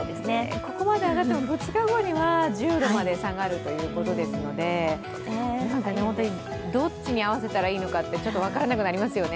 ここまで上がっても、２日後には１０度まで下がるということですので、どっちに合わせたらいいのか、分からなくなりますよね。